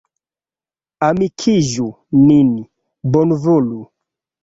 Amikiĝu nin, bonvolu!